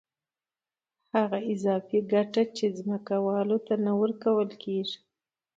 هغه اضافي ګټه چې ځمکوال ته ورکول کېږي